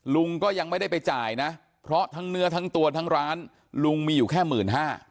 ลุงก็ยังไม่ได้ไปจ่ายนะเพราะทั้งเนื้อทั้งตัวทั้งร้านลุงมีอยู่แค่หมื่นห้า